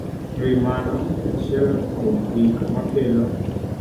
E wi mano, achiel kuom gik makelo